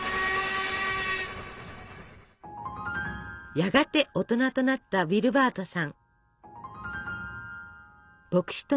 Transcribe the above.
やがて大人となったウィルバートさん。